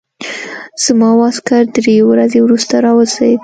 زما واسکټ درې ورځې وروسته راورسېد.